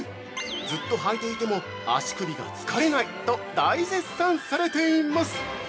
「ずっと履いていても足首が疲れない」と大絶賛されています！